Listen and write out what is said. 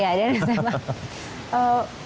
ya dan sma